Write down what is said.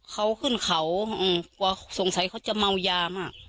เขาขึ้นเขากลัวสงสัยเขาจะเมายามาก